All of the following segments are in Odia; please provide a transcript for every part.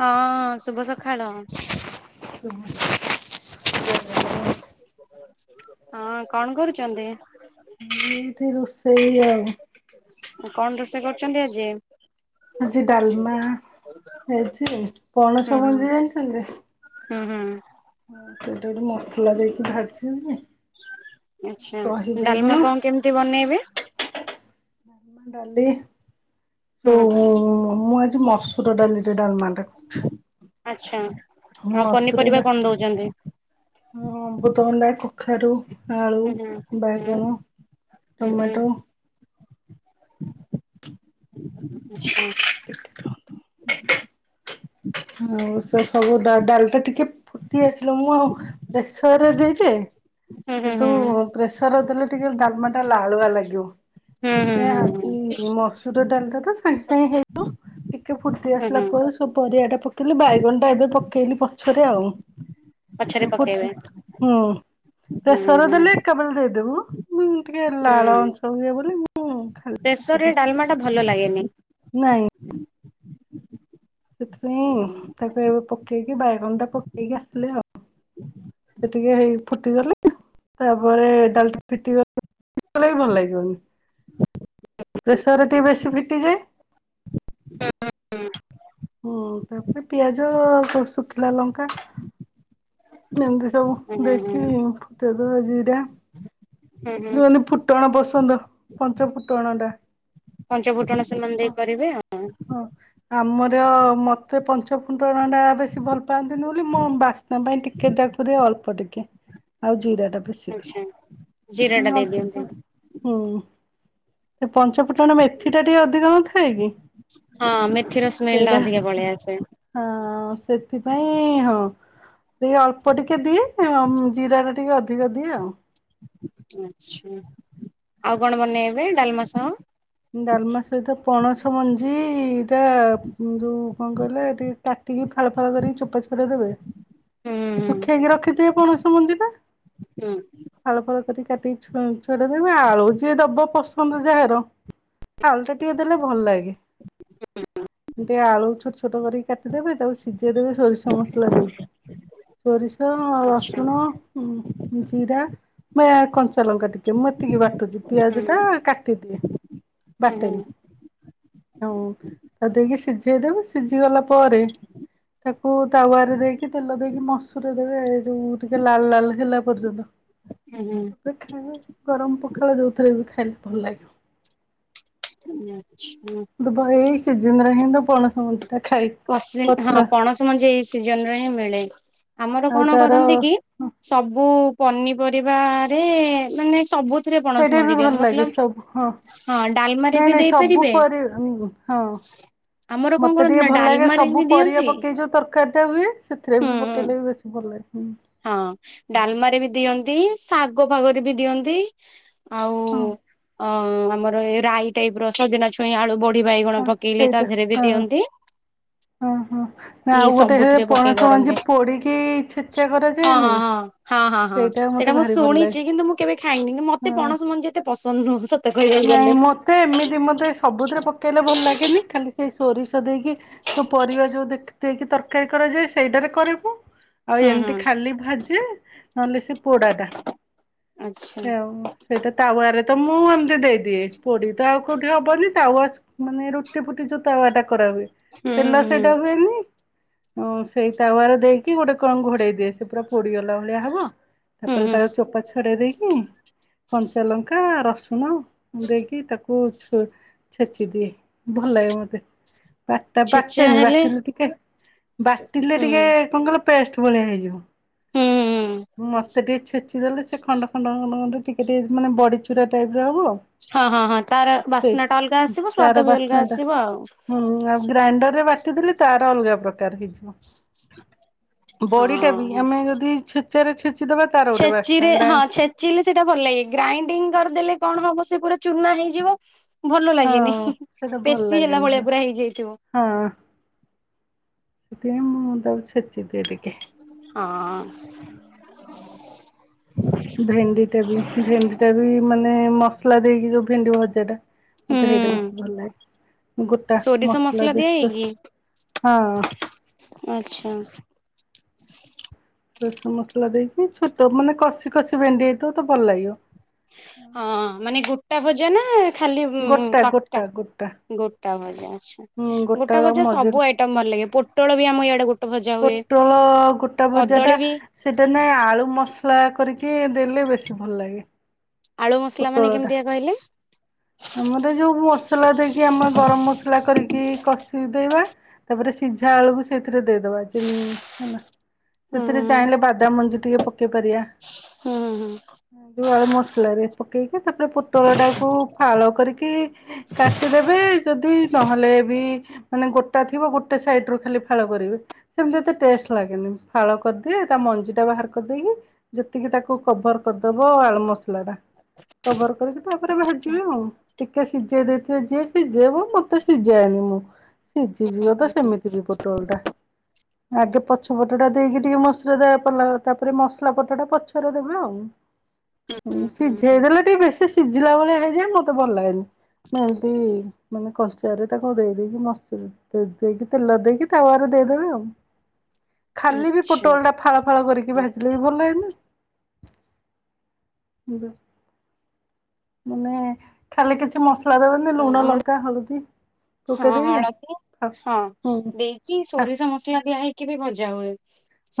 ହଁ ଶୁଭ ସକାଳ। ହ [unintelligible] ହଁ କଣ କରୁଛନ୍ତି? ରୋଷେଇ ଆଉ କଣ ରୋଷେଇ କରୁଛନ୍ତି ଆଜି? ଆଜି ଡାଲମା ହେଇଛି କଣ [unintelligible] ହୁଁ ହୁଁ ସମୁନ୍ଦରେ ଜଣିଛନ୍ତି [unintelligible] ହୁଁ ହୁଁ। ହଁ ସେଇଟା ଗୋଟେ ମସଲା ଦେଇକି ଭାଜିଛି [unintelligible] ଆଛା ବାଇଗଣ ଡାଲମା କଣ କେମିତି ବନେଇବେ? [unintelligible] ଡାଲି ସୋ ହୁଁ ମୁଁ ଆଜି ମସୁର ଡାଲିରେ ଡାଲମାଟା ଆଚ୍ଛା ହଁ ଆଉ ପନିପରିବା ମସୁରଟା କଣ ଦଉଛନ୍ତି? ହଁ ତଣ୍ଡା, କଖାରୁ, ଆଳୁ, ହୁଁ ହୁଁ ହୁଁ ବାଇଗଣ, ହୁଁ ହୁଁ ଟମାଟୋ ଆଚ୍ଛା। ଆଉ ସେ ସବୁ ଡା ଡାଲ ଟା ଟିକେ ଫୁ କିଏ ଆସିଲା ମୁଁ ଆଉ ପ୍ରେସରରେ ଦେଇଛି ହୁଁ ହୁଁ କିନ୍ତୁ ହୁଁ ପ୍ରେସର ଦେଲେ ଟିକେ ଡାଲମା ଟା ଲାଳୁଆ ଲାଗିବ। ହୁଁ ସେଥି ହୁଁ ପାଇଁ ହୁଁ ହୁଁ ଆଜି ମସୁର ଡାଲିଟା ତ ସାଙ୍ଗେ ସାଙ୍ଗେ ହେଇଯାଉ ଟିକେ ଫୁଟି ହୁଁ ଆସିଲା ହୁଁ ପରେ ସବୁ ପରିବା ଟା ପକେଇଲି ବାଇଗଣ ଟା ଏବେ ପକେଇଲି ପଛରେ ଆଉ ପଛରେ ପକେଇବେ ଏପଟଲ ହୁଁ ହୁଁ ହୁଁ ପ୍ରେସର୍ ହୁଁ। ଦେଲି [unintelligible] କେବଲ ଦେଇଦେବୁ। ମୁଁ ଟିକେ ଲାଳ ହୁଁ ଅଂଶ ହୁଏ ବୋଲି ମୁଁ ଖାଲି ପ୍ରେସର ରେ ବସ ଡାଲମା ଟା ଭଲ ଲାଗେନି। ନାଇଁ। ସେଥିପାଇଁ ହୁଁ ତାକୁ ଏବେ ପକେଇକି ବାଇଗଣ ଟା ପକେଇକି ଆସଥିଲେ ଆଉ ସେ ଟିକେ ହେଇକି ଫୁଟି ଗଲେ। ତାପରେ ଡାଲିଟା ଫିଟି ଗଲେ [inaudible] ଭଲ ଲାଗିବନି। ପ୍ରେସରେ ଟିକେ ବେଶୀ ଫିଟିଯାଏ। ହୁଁ ହୁଁ। ହୁଁ ତାପରେ ପିଆଜ ଆଉ ଶୁ-ଶୁଖିଲା ଲଙ୍କା। ଏମିତି ସବୁ ହୁଁ ହୁଁ ଦେଇକି ଫୁଟେଇ ଦେବେ ଜିରା। ହୁଁ ହୁଁ ଯୋଓଲି ଫୁଟଣା ପସନ୍ଦ ପଞ୍ଚ ଫୁଟଣଟା। ପଞ୍ଚ ଫୁଟଣ ସେମାନେ ଦେଇ କରିବେ ଆଉ। ତ ମତେ ପଞ୍ଚ ଫୁଟଣ ଟା ବେଶୀ ଭଲ ପାଆନ୍ତିନି ବୋଲି ମୋ ବାସ୍ନା ପାଇଁ ଟିକେ ତାକୁ ଥିରୁ ଅଳ ଅଳ୍ପ ଟିକେ ଆଉ ଜିରା ଟା। ବେଶୀ ଆଚ୍ଛା ଦିଏ ଜିରା ଟା ମାନେ ଦେଇ ଦିଅନ୍ତି ଅଳ୍ପ ହୁଁ। ପଞ୍ଚପୁଟଣ ମେଥି ଟା ଟିକେ ଅଧିକ ନ ଥାଏ କି। ହଁ ମେଥିର ସ୍ମେଲ ଟା ସେଇଟା ଅଧିକା ପଳେଇଆସେ। ହଁ ସେଥିପାଇଁ ହଁ। ଟିକେ ଅଳ୍ପ ଟିକେ ଦିଏ ଆମ୍ ଜିରା ଟା ଟିକେ ଅଧିକ ଦିଏ ଆଉ। ଆଛା ଆଉ କଣ ବନେଇବେ ଡାଲମା ସହ। ଡାଲମା ସହିତ ପଣସ ମଞ୍ଜି ଟା ଉଁ ଯୋଉ କଣ କହିଲେ କା ଟିକି ଫାଳ ଫାଳ କରିକି ଚୋପା ଛଡେଇ ଦେବେ ହୁଁ ହୁଁ ଶୁଖେଇକି ରଖି ଥିବେ। ପଣସ ମଞ୍ଜି ଟା। ହୁଁ ଫାଳ ଫାଳ କରିକି କାଟିିକି ଛ-ଛଡେଇ ଦେବେ ଆଳୁ ଯିଏ ଦବ ପସନ୍ଦ ଯାହାର। ଆଲୁଟା ଟିକେ ଦେଲେ ଭଲ ଲାଗେ। ଟିକେ ଆଳୁ ଛୋଟ ଛୋଟ କରିକି କାଟିଦେବେ ତାକୁ ସିଝେଇ ଦେବେ ସୋରିଷ ମସଲା ଦେଇକି। ସୋରି ସ ଆଚ୍ଛା ରସୁଣ ଜିରା ବା ୟା କଞ୍ଚା ଲଙ୍କା ଟିକେ ମୁଁ ଏତିକି ବାଟ ଟକି ପିଆଜ ଟା ହୁଁ କାଟି ଦିଏ ହୁଁ ବାଟେନୀ। ହୁଁ ହଁ ତାକୁ ଦେଇକି ସିଝେଇ ଦେବି ସିଝି ଗଲା ପରେ। ତାକୁ ତାୱା ରେ ଦେଇକି ତେଲ ଦେଇକି ମସୁର ରେ ଯୋଉ ଟିକେ ଲାଲ ଲାଲ ହେଲା ପର୍ଯ୍ୟନ୍ତ। ହଁ ତା ପରେ ଖାଏ ଗରମ ପଖାଳ ଯୋଉଥିରେ ବି ଖାଇଲେ ଭଲ ଲାଗିବ। ହୁଁ ଆଚ୍ଛା। ଦୁବା ଏଇ ସିଯିନ ରେ ହେଁଲେ ପଣସ ମଞ୍ଜି। ଟା ଖାଇ କଷି କଥା ହଁ ପଣସ ମଞ୍ଜି ଏଇ ସିଜନ ରେ ହିଁ ମିଳେ। ଆମର ଆଉ କଣ ତାର କରନ୍ତି କି ସବୁ ପନିପରିବାରେ ମାନେ ସବୁ। ସେଥିରେ ପଣସ ସେଇଟା ବି ମଞ୍ଜି ଭଲ ଦିଅନ୍ତୀ ଲାଗେ ମତଲବ ସବୁ ହଁ ହଁ ଡାଲମାରେ ନାଇଁ ବି ନାଇଁ ସବୁ ଦେଇପାରିବେ। ପରି ହଁ। ଆମର କଣ ମତେ କରନ୍ତି ଟିକେ ନା। ଭଲ ଲାଗେ ଡାଲମାରେ ସବୁ ହିଁ ପରିବା ଦିଅନ୍ତି ପକେଇ ଜୋଉ ତରକାରୀଟା ହୁଏ ସେଥିରେ ହୁଁ ବି ପକେଇଲେ ବି ବେଶୀ ଭଲ ଲାଗେ। ହୁଁ ହଁ ଡାଲମାରେ ବି ଦିଅନ୍ତି। ଶାଗ ଫାଗ ରେ ବି ଦିଅନ୍ତି ଆଉ। ହଁ ଅ ଆମର ଏଇ ରାଇ ଟାଇପ ର ସଜନା ଛୁଇଁ ଆଳୁ ବଡି। ଡି ବାଇଗଣ ହଁ ପକେଇଲେ ତା ଧିଏରେ ବି ଦିଅନ୍ତି। ଓହୋ ଏଇ ଆଉ ଗୋଟେ ସବୁଥିରେ ପକେଇ ପଣସ କରନ୍ତି ମଜି ପଡିକି ଛେଚା କରାଯାଏ। ହଁ ହଁ ହଁ ହଁ ହଁ ହଁ ସେଇଟା ମୁଁ ଭାରି ଭଲ ଲାଗେ ଶୁଣିଛି କିନ୍ତୁ ମୁଁ କେବେ ଖାଇନି କି ମତେ ହଁ। ପଣସ ମଞ୍ଜି ଏତେ ପସନ୍ଦ ନୁହଁ ସ ନାଇଁ ମତେ ଏମିତି ମତେ ସବୁଥିରେ ପକେଇଲେ ଭଲ ଲାଗେନି ଖାଲି ସେଇ ସୋରିଷ ଦେଇକି। ସବୁ ପରିବା ଯୋଉ ଦେଖି ଦେଇକି ତରକାରୀ କରାଯାଏ ସେଇଟାରେ କରେ ମୁଁ। ଆଉ ହୁଁ ହୁଁ ଏମିତି ଖାଲି ଭାଜେ ନ ହେଲେ ସେ ପୋଡା ଟା। ଆଚ୍ଛା ହ ସେଇଟା ତା ୱାରେ। ତ ମୁଁ ଏମିତି ଦେଇଦିଏ ପୋଡି ତ ଆଉ କୋଉଠି ହବନି ତାୱା ମାନେ ରୁଟି ଫୁଟି ଯଉ ତାୱା ଟା। କରା ହୁଏ ହୁଁ ତେଲ ହୁଁ ସେଇଟା ହୁଏନି। ଉଁ ସେଇ ତାୱା ରେ ଦେଇକି ଗୋଟେ କଣ ଘୋଡେଇ ଦିଏ ସେ ପୁରା ପୋଡିଗଲା ଭଳିଆ ହବ। ହୁଁ ତାପରେ ହୁଁ ତାକୁ ଚୋପା ଛଡେଇ ଦେଇକି କଞ୍ଚା ଲଙ୍କା ରସୁଣ। ମୁ ଦେଇକି ତାକୁ ଛୁ ଛେଚି ଦିଏ ଭଲ ଲାଗେ ମତେ। ବାଟା ଛେଚା ବାଟେନି, ହେଲେ ବାଟିଲେ ଟିକେ ବାଟିଲେ ହୁଁ ଟିକେ କଅ କଇଲ? ପେଷ୍ଟ ଭଳିଆ ହେଇଯିବ। ହୁଁ ହୁଁ ମତେ ଟିକେ ଛେଚିଦଲେ, ସେ ଖଣ୍ଡ ଖଣ୍ଡ ଖଣ୍ଡ ଖଣ୍ଡ ଟିକେ ଟିକେ ମାନେ ବଡିଚୁରା ଟାଇପ ର ହବ ହଁ ହଁ ହଁ ତାର ବାସ୍ନା ସେଇଠି ଟା ଅଲଗା ଆସିବ ତାର ସ୍ଵାଦ ବି ଅଲଗା ଆସିବ ଆଉ। ଗ୍ରାଇଣ୍ଡର ରେ ବାଟିଦେଲେ ତାର ଅଲଗା ପ୍ରକାର ହେଇଯିବ। [inaudible] ବଡି ଟା ବି, ହଁ। ଆମେ ଯଦି ଛେଚାରେ ଛେଚି ଛେଚିରେ ହଁ ଛେଚିଲେ ସେଇଟା ଭଲ ଲାଗେ, ଗ୍ରାଇଣ୍ଡିଙ୍ଗ କରିଦେଲେ କଣ ହବ, ସେ ପୁରା ଚୁନା ହେଇଯିବ। ଭଲ ହଁ ଲାଗେନି, ହିଁ ହିଁ, ସେଇଟା ଭଲ ପେଶୀ ହେଲା ଲାଗେନି ହଁ ଭଳିଆ ପୁରା ହେଇଯାଇଥିବ। [inaudible] [inaudible] ସେଥିପାଇଁ ମୁଁ ତାକୁ ଛେ [inaudible] ହଁ-ଅଁ-ଅଁ [inaudible] ଭେଣ୍ଡିଟା ବି ଭେଣ୍ଡିଟା ବି ମାନେ ମସଲା ଦେଇକି ଯୋଉ ଭେଣ୍ଡି ଭଜା ଟା? ମତେ ସେଇଟା ହୁଁ ବେଶୀ ଭଲ ଲାଗେ। ଗୋଟା ସୋରିଷ ମସଲା ଦେ ଦିଆ [inaudible] ହେଇକି ଆଚ୍ଛା। [inaudible] ରସୁଣ ମସଲା ଦେଇକି, ଛୋଟ ମାନେ କଷି କଷି ଭେଣ୍ଡି ହେଇଥବ ତ ଭଲ ଲାଗିବ। ହଁ ମାନେ ଗୋଟା ଭଜା ନା? ଖାଲି ଗୋଟା ଗୋଟା କଟକାଟ ଗୋଟା ଗୋ ଗୋଟା ଭଜା ଆଚ୍ଛା, ହୁଁ ଗୋଟା ଭଜା ମଝିରୁ ସବୁ ଆଇଟମ ଭଲ ଲାଗେ ପୋଟଳ ବି ଆମ ଇଆଡେ ଗୋ ପୋଟଳ ଗୋଟା ଭଜା ଟା, ବି ସେଟା ନାଇ ଆଳୁ ମସଲା କରିକି କିଏ ଦେଲେ ବେଶୀ ଭଲ ଲାଗେ। ଆଳୁ [inaudible] ମସଲା ମାନେ ପୋଟଳ ଟା। କେମିତିଆ କହିଲେ ଆମର ଯୋଉ ମସଲା ଦେଇକି, ଆମେ ଗରମ ମସଲା। ମସଲା କରିକି କଷିଦେବା, ତାପରେ ସିଝା ଆଳୁକୁ ସେଇଥିରେ ଦେଇଦବା। ଇ ହେଲା? ଉଁ ସେଥିରେ ଚାଇଲେ ବାଦାମ ମଞ୍ଜି ଟିକେ ପକେଇ ପାରିଆ। ହୁଁ ହୁଁ [inaudible] ଜୋଉ ଆଳୁ ମସ୍ ମସଲା ରେ ପକେଇକି, ତାପରେ ପୋଟଳ ଟାକୁ ଫାଳ କରିକି କାଟିଦେବେ ଯଦି ନହେଲେ ବି, ମାନେ ଗୋଟା ଥିବ ଗୋଟେ ସାଇଟ ରୁ ଖାଲି ଫାଳ କରିବେ। ସେମତି ଏତେ ଟେଷ୍ଟ ଲାଗେନି। ଫାଳ କରିଦିଏ ତା ମଞ୍ଜି ଟା ବାହାର କରିଦେଇକି, ଯେତିକି ତାକୁ କଭର କର କରିଦବ ଆଳୁ ମସଲା ଟା। କଭର କରିକି, ତାପରେ ଭାଜିବେ ଆଉ। ଟିକେ ସିଯେଇ ଦେଇଥିବେ, ଯିଏ ସିଝେଇବ ମୁଁ ତ ସିଯାଏନି। ଓ, ସିଜିଯିବ ତ ସେମିତି ବି ପୋଟଳ ଟା। ଆଗେ ପଛ ପଟଟା ଦେଇକି ଟିକେ ମସୁର ଦା ପଡିଲା ତାପରେ ମସଲା ପଟଟା ପଛରେ ଦେବେ ଆଉ। ହୁଁ ସିଝେଇ ଦେଲେ ଟିକେ ବେଶୀ ସିଝିଲା ଭଳିଆ ହେଇଯାଏ, ମତେ ଭଲ ଲାଗେନି। ମୁଁ ଏମତି ମାନେ କଞ୍ଚା ରେ ତାକୁ ଦେଇ ଦେଇେକି ମସୁରୀ ଦେଇକି ତେଲ ଦେଇକି ତାୱା ରେ ଦେଇଦେବି ଆଉ। ଖାଲି ବି ପୋଟଳ ଟା ଫାଳ ଫାଳ କରିକି ଭାଜିଲେ ବି ଭଲ ଲାଗେନା? [inaudible] ଯା [inaudible] ମାନେ ଖାଲି କିଛି ମସଲା ଦେବେନି, ଲୁଣ, ଆମର ଲଙ୍କା, ହଳଦୀ। ହଁ ପକେଇ ଦେଇକି ହଳଦୀ ହଁ ହୁଁ ଦେଇକି ସୋରିଷ ମସଲା ଦିଆ ହେଇକି ବି ଭଜା ହୁଏ।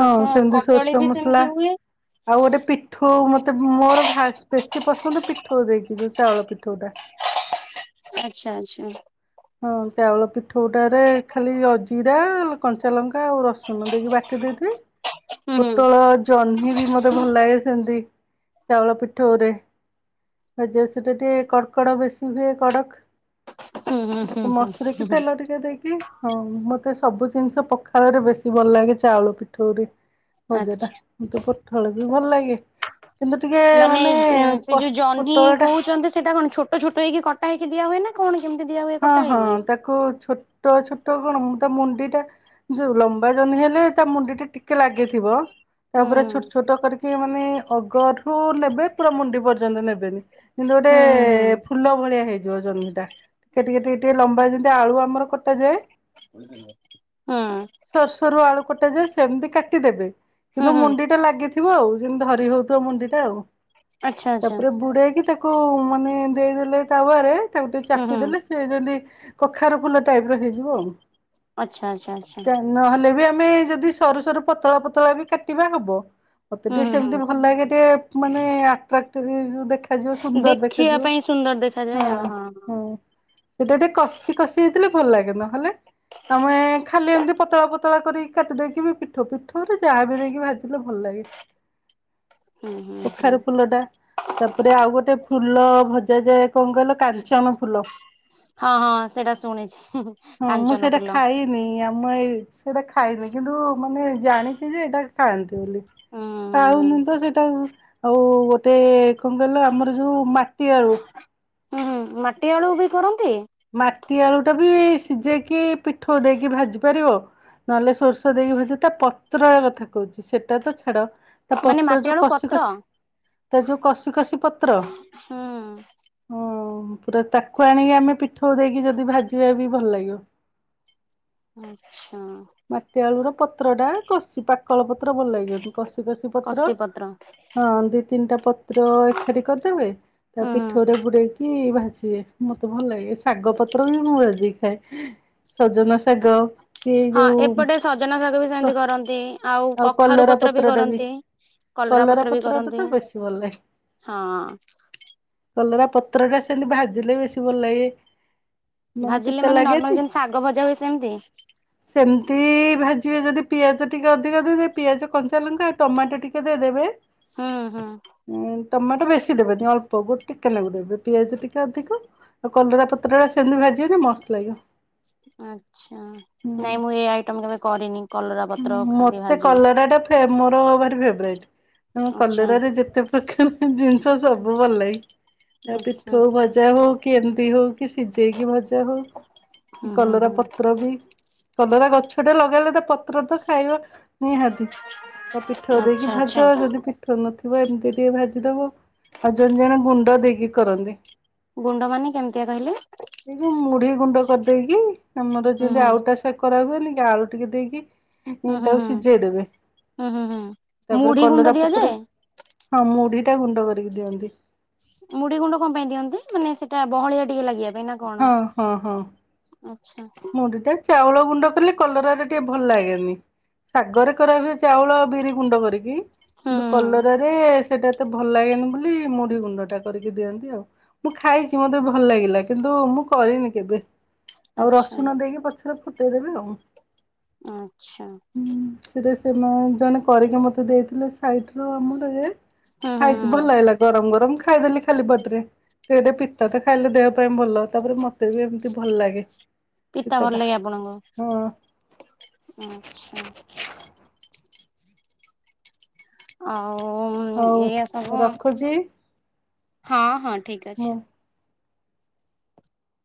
ହଁ ସେମତି କଦଳୀ ସୋରିସ ବି ମସଲା। ସେମିତି ହୁଏ ଆଉ ଗୋଟେ ପିଠୋଉ, ମତେ ମୋର ଭାଷ ବେଶୀ ପସନ୍ଦ ପିଠୋଉ ଦେଇକି ଯୋଉ ଚାଉଳ ପିଠୋଉ ଟା। ଆଛା ଆଚ୍ଛା। ହଁ ତାଉଳ ପି ପୀଠୋଉ ଟାରେ ଖାଲି ଅଜିରା, କଞ୍ଚା ଲଙ୍କା, ଆଉ ରସୁଣ ଦେଇକି ବାଟି ଦେଇଥିବେ। ହୁଁ ହୁଁ। ପୋଟଳ, ଜହ୍ନି ବି ମତେ ଭଲ ଲାଗେ ସେମିତି। ଚାଉଳ ପିଠୋଉ ରେ। ଭଯା ସେଇଟା ଟିକେ କଡ଼କଡ ବେଶୀ ହୁଏ କଡ଼କ। ହୁଁ ହୁଁ ହୁଁ ଟିକେ ହୁଁ ମସୁରୀ କି ହୁଁ ହୁଁ। ତେଲ ଟିକେ ଦେଇକି ହଁ ମତେ ସବୁ ଜିନିଷ ପଖାଳ ରେ ବେଶୀ ଭଲ ଲାଗେ ଚାଉଳ ପିଠୋଉ ରେ। ଭଜା ଟା, ଆଚ୍ଛା। ମତେ ପୋଟଳ ବି ଭଲ ଲାଗେ। କିନ୍ତୁ ଟିକେ ମାନେ, ସେ ଯୋଉ ଜହ୍ନି ପୋଟଳ ଟା କୋହୁଛନ୍ତି ସେଟା କଣ ଛୋ ଛୋଟ ହେକିଟା ହେକି ହୁଏ ନା କଣ [unintelligible] ହୁଏ ହଁ, କଟା ହଁ, ହେଇକି? ତାକୁ ଛୋଟ ଛୋଟ କଣ ତା ମୁଣ୍ଡି ଟା ଯୋଉ ଲମ୍ବା ଜନି ହେଲେ ତା ମୁଣ୍ଡି ଟେ ଟିକେ ଲାଗିଥିବ। ତାପରେ ଛୋଟ ହୁଁ। ଛୋଟ କରିକି ମାନେ, ଅଗଠୁ ନେବେ, ପୁରା ମୁଣ୍ଡି ପର୍ଯ୍ୟନ୍ତ ନେବେ। କିନ୍ତୁ ଗୋଟେ ହୁଁ ହୁଁ ଫୁଲ ଭଳିଆ ହେଇଯିବ ଜହିଁ ଟା କେଟି କେଟି ଟିକେ ଲମ୍ବା ଯେମତି ଆଳୁ ଆମର କଟାଯାଏ ହୁଁ ସର ସରୁ ଆଳୁ କଟା ଯାଏ। ସେମିତି କାଟିଦେବେ ହୁଁ କିନ୍ତୁ ହୁଁ ମୁଣ୍ଡି ଟା ଲାଗିଥିବ ଆଉ, ଯେମତି ହରି ହଉଥିବ ମୁଣ୍ଡି ଟା ଆଉ ଆଚ୍ଛା ଆଚ୍ଛା ତାପରେ ବୁଡେଇକି ତାକୁ ମାନେ ଦେଇଦେଲେ ତାୱାରେ, ତାପରେ ହୁଁ ତାକୁୋ [unintelligible] ଟେ ଚା ହୁଁ ଦେଲେ, ସେ ଯେମିତି କଖାର ଫୁଲ ଟାଇପ ର ହେଇଯିବ ଆଉ ଆଚ୍ଛା, ଆଚ୍ଛା, ଆଚ୍ଛା। ତମେ ଯଦି ସରୁ ସରୁ ପତଳା ପତଳା ବି କାଟିବା ହବ ମତେ ହୁଁ ଟିକେ ହୁଁ ହୁଁ ସେମତି ଭଲ ଲାଗେ ଟିକେ ମାନେ ଦେଖାଯିବ, ସୁନ୍ଦର ଦେଖିବା ଦେଖାଯିବ। ପାଇଁ ସୁନ୍ଦର ଦେଖାଯାଏ, ଓହୋ। ହୁଁ ସେଇଟା ଟିକେ କଷି, କଷି, ହୋଇଥିଲେ ଭଲ ଲାଗେ ନ ହେଲେ ଆମେ ଖାଲି ଏମିତି ପତଳା, ପତଳା, କରିକି କାଟି ଦେଇକି ବି ପିଠୋ ପିଠ ଯାହା ବି ଦେଇକି ଭାଜିଲେ ଭଲ ଲାଗେ। ହୁଁ ହୁଁ ହୁଁ କଖାରୁ ଫୁଲ ଟା, ତାପରେ ଆଉ ଗୋଟେ ଫୁଲ ଭଜାଯାଏ, କଣ କହିଲ କାଞ୍ଚନ ଫୁଲ। ହଁ, ହଁ, ସେଟା ହଁ, ମୁଁ ସେଇଟା ଖାଇନି ଆ ମୁ ଏ ସେଟା ଖାଇନି କିନ୍ତୁ ମାନେ ଜାଣିଛି ଯେ -ଏଇଟା କାଆନ୍ତି ବୋଲି, ହୁଁ ଖାଉନି ତ ସେଇଟା ଆଉ କଣ କହିଲ- ଆମର ଯୋଉ ମାଟି ଆଳୁ ହୁଁ ହୁଁ ମାଟିଆଳୁ ବି କର। ମାଟି ଆଳୁ ଟା ବି ସିଝେଇକି ପିଠୋ ଦେଇକି ଭାଜି ପାରିବ। ନହେଲେ ସୋରିଷ ଦେଇକି ଭାଜି, ତା ପତ୍ର କଥା କହୁଛି ସେଟା ତ ଛାଡ ତା ମାନେ ପତ୍ର ମାଟି ଯୋଉ ଆଳୁ କସି, ପତ୍ର କସି ତା ଯୋଉ କଷି ଖସିି ପତ୍ର ହୁଁ ହ ପୁରା ତାକୁ ଆଣିକି ଆମେ ପିଠଉ କୁ ଦେଇକି ଯଦି ଭାଜିବା ବି ଭଲ ଲାଗିବ। ଆଚ୍ଛା ମାଟି ଆଳୁ ର ପତ୍ର ଟା କଷି ପାଖ ପାକଳପତ୍ର ଭଲ ଲାଗିବନି, କସି କସିି ପତ୍ର ହଁ, ଦି ତିନିଟା ପତ୍ର ଏକାଠି କରିଦେବେ ତା ହୁଁ ହୁଁ ପିଠୋଉ ରେ ବୁଡେଇକି ମତେ ଭଲ ଲାଗେ, ଶାଗ ପତ୍ର ବି ମୁ ଭାଜିଜି ଖାଏ। ସଜନା ଶାଗ କି ଏଇ ହଁ, ଯୋଉ ଏପଟେ ସଜନା ଶାଗ ବି କ ସେମିତି କରନ୍ତି ଆଉ କଖାରୁ ପତ୍ର ବି କରନ୍ତି। କଲରା ପତ୍ର ବି ପତ୍ରଟା କରନ୍ତି, ତ ବେଶୀ ଭଲ ଲାଗେ। ହଁ। କଲରା ପତ୍ର ଟା ସେମିତି ଭାଜିଲେ ବି ବେଶୀ ଭଲ ଲାଗେ। ମାନେ ଭାଜିଲେ ପିତା ନର୍ମାଲ ଲାଗେନି ଯେମିତି ଶାଗ ଭଜା ହୁଏ ସେମିତି ସେମତି ଭାଜି ଥି ରେ ଯଦି ପିଆଜ ଟିକେ ଅଧିକ ଦେଇଦେବେ ପିଆଜ କଞ୍ଚା ଲଙ୍କା ଆଉ ଟମାଟୋ ଟିକେ ଦେଇଦେବେ। ହଁ ହଁ ଟମାଟୋ ବେଶୀ ଦେବେନି ଅଳ୍ପ ଗୋଟ ଟିକେ ନାଗୁ ଦେବେ ପିଆଜ ଟିକେ ଅଧିକ ଆଉ କଲରା ପତ ପତ୍ରଟା ସେମିତି ଭାଜିବ ମସ୍ତ୍ ଲାଗିବ। ଆଛା ହୁଁ ନାଇଁ ମୁଁ ଏ ଆଇଟମ କେବେ କରିନି। କଲରା ପତ୍ର ଖାଲି ମତେ ଭାଜିବା କଲରା ଟା ଫେ ମୋର ଭାର ଫେବରାଇଟ। ହଁ ଆଚ୍ଛା କଲରାରେ ଯେତେ ପ୍ରକାର ଜିନିଷ ସବୁ ଭଲ ଲାଗେ। ତା ଆଚ୍ଛା ପିଠଉ ଭଜା ହ ହଉ କି ସିଝେଇକି ଭଜା ହଉ କି ହୁଁ ହୁଁ କଲରା ହୁଁ ପତ୍ର ବି କଲରା ଗଛ ସେଟା ଲଗେଇଲେ ତା ପତ୍ର ତ ଖାଇବା ନିହାତି ତା ପିଠଉ ଦେଇକି ଆଚ୍ଛା ଆଚ୍ଛା ଭାଜ ଯଦି ପିଠଉ ନଥିବ ଏମିତି ଟିକେ ଭାଜ ତାଙ୍କୁ ଆଉ ଜଣେ ଜଣେ ଗୁଣ୍ଡ ଦେଇକି କରନ୍ତି। ଗୁଣ୍ଡ ମାନେ କେମିତିଆ କହିଲେ ଏ ଯୋଉ ମୁଢି ଗୁଣ୍ଡ କରି ଦେଇକି ଆମର ହୁଁ ଯେମିତି ହୁଁ ଆଉଟା ସେ କରା ହୁଏନି କି ଆଳୁ ଟିକେ ଦେଇକି ହଁ ହୁଁ ହୁଁ ତାକୁ ହୁଁ ସିଝେଇଦବେ ହୁଁ ହୁଁ ହୁଁ ତାପରେ ମୁଢି ଗୁଣ୍ଡ କଲରା ପତ୍ର ଦିଆଯାଏ? ହଁ ମୁଢିଟା ଗୁଣ୍ଡ କରିକି ଦିଅନ୍ତି। ମୁଢି ଗୁଣ୍ଡ କଣ ପାଇଁ ଦିଅନ୍ତି? ମାନେ ସେଇଟା ବହଳିଆ ଟିକେ ଲାଗିବା ପାଇଁ ନା କଣ? ହଁ ହଁ ହଁ ଆଚ୍ଛା ମୁଡିଟା, ଚାଉଳ ଗୁଣ୍ଡ କଲେ କଲରଟା ଟିକେ ଭଲ ଲାଗେନି ଶାଗରେ କରା ହୁଏ ଚାଉଳ ଆଉ ବିରି ଗୁଣ୍ଡ କରିକି ହୁଁ କିନ୍ତୁ ହୁଁ କଲରାରେ ସେଇଟା ଏତେ ଭଲ ଲାଗେନି ବୋଲି ମୁଢି ଗୁଣ୍ଡ ଟା କରିକି ଦିଅନ୍ତି ଆଉ ମୁଁ ଖାଇଚି ମତେ ବି ଭଲ ଲାଗିଲା। କିନ୍ତୁ ମୁଁ କରିନି କେବେ ଆଉ ଆଚ୍ଛା ରସୁଣ ଦେଇକି ପଛରେ ଫୁଟେଇ ଦେବି ଆଉ ଆଚ୍ଛା ସେ ମ ଜଣେ କରିକି ମୋତେ ଦେଇଥିଲେ ସାଇଟ ରୁ ଆମରେ ହୁଁ ହୁଁ ଖାଇଚି ଭଲ ହୁଁ। ଲାଗିଲା ଗରମ ଗରମ ଖାଇଦେଲି ଖାଲି ବଟରେ ଟିକେ ପିତା ତ ଖାଇଲେ ଦେହ ସେଥିପାଇଁ ଭଲ ତାପରେ ମତେ ବି ଏମିତି ଭଲ ଲାଗେ ପିତା ଭଲ ପିତାଟା ଲାଗେ ହଁ ଆପଣଙ୍କୁ ଆଛା ଅ ଆଉ ହଉ ଏଇଆ ସବୁ ରଖୁଛି ହଁ ହଁ ଠିକ ଅଛି। ମୁଁ